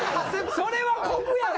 それは酷やろ。